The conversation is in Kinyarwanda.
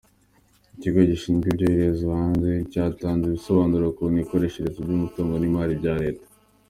Ikigo gishinzwe ibyoherezwa hanze cyatanze ibisobanuro ku mikoreshereze y’umutungo n’imari bya Leta